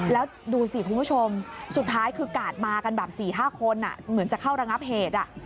แล้วดูสิคุณผู้ชมสุดท้ายคือกาดมากันแบบ๔๕คนเหมือนจะเข้าระงับเหตุ